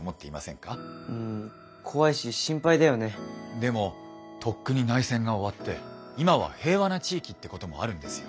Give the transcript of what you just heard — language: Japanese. でもとっくに内戦が終わって今は平和な地域ってこともあるんですよ。